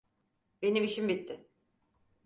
Benim işim bitti.